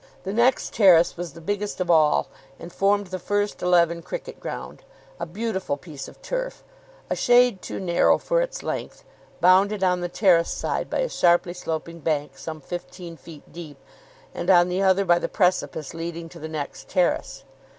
The next terrace was the biggest of all, and formed the first eleven cricket ground, a beautiful piece of turf, a shade too narrow for its length, bounded on the terrace side by a sharply sloping bank, some fifteen feet deep, and on the other by the precipice leading to the next terrace.